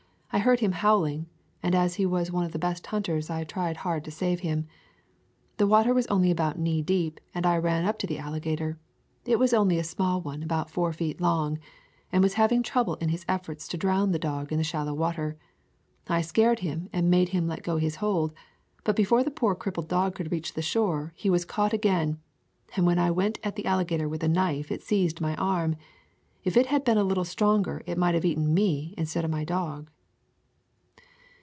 I heard him howl ing, and as he was one of my best hunters I tried hard to save him. The water was only about knee deep and I ran up to the alligator. It was only a small one about four feet Jong, and was having trouble in its efforts to drown the dog in the shallow water. I scared him and made him let go his hold, but before the poor crippled dog could reach the shore, he was caught again, and when I went at the alligator with a knife, it seized my arm. If it had been a little stronger it might have eaten me instead of my dog."